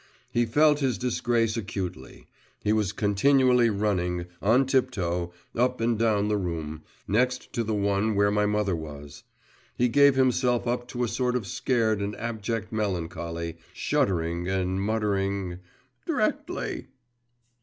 He felt his disgrace acutely; he was continually running, on tiptoe, up and down the room, next to the one where my mother was; he gave himself up to a sort of scared and abject melancholy, shuddering and muttering, 'd'rectly!